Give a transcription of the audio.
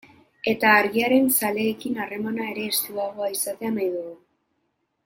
Eta Argiaren zaleekin harremana ere estuagoa izatea nahi dugu.